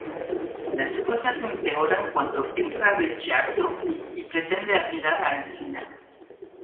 Las cosas empeoran cuando entra 'Ricciardo' y pretende admirar a Alcina.